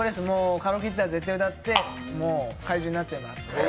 カラオケ行ったら絶対に歌って怪獣になっちゃいます。